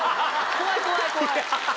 怖い怖い怖い。